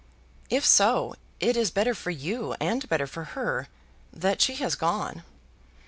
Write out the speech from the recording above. "If so, it is better for you, and better for her, that she has gone."